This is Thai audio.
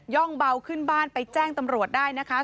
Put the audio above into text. ่องเบาขึ้นบ้านไปแจ้งตำรวจได้นะคะ